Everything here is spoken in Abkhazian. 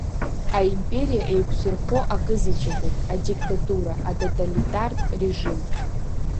Аимпериа еиқәзырхо акы заҵәыкоуп адиктатура, атоталитартә режим.